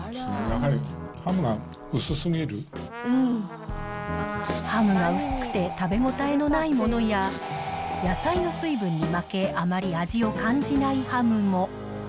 やはり、ハムが薄くて食べ応えのないものや、野菜の水分に負け、あまり味を感じないハムも。